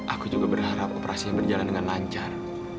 aku juga berharap operasinya berjalan dengan lancar